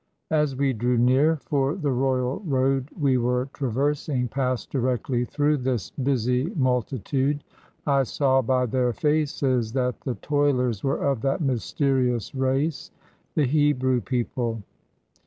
As we drew near, for the royal road we were traversing passed directly through this busy multitude, I saw by their faces that the toilers were of that mysterious race, the Hebrew people.